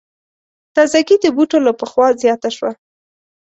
تازګي د بوټو له پخوا زیاته شوه.